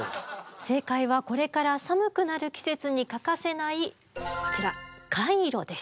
正解はこれから寒くなる季節に欠かせないこちらカイロです。